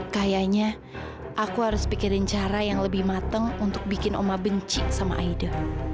kayaknya aku harus pikirin cara yang lebih mateng untuk bikin oma benci sama aida